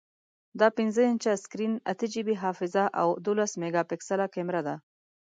دا پنځه انچه سکرین، اته جی بی حافظه، او دولس میګاپکسله کیمره لري.